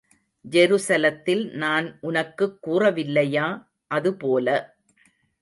ஜெருசலத்தில் நான் உனக்குக் கூறவில்லையா, அது போல.